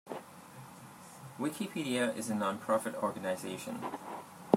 Wikipedia is a non-profit organization.